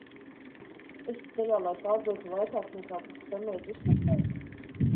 Esi ceļā, lai pārdotu lētāk, nekā tas senlietu uzpircējs?